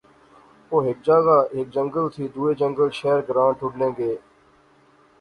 او ہیک جاغا ہیک جنگل تھی دوہے جنگل شہر گراں ٹرنے گئے